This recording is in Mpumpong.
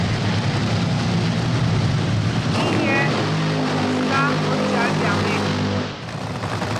I yɛ̄ ú ɓuu sá ócâl ɗyaŋ e ?